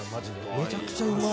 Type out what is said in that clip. めちゃくちゃうまい。